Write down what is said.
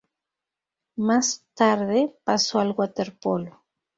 Más tarde pasó al waterpolo.